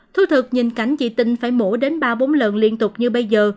thu thực nhìn cảnh chị tinh phải mổ đến ba bốn lần liên tục như bây giờ